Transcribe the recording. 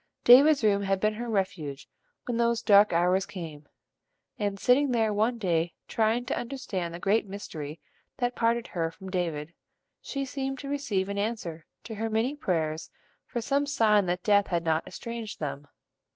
David's room had been her refuge when those dark hours came, and sitting there one day trying to understand the great mystery that parted her from David, she seemed to receive an answer to her many prayers for some sign that death had not estranged them.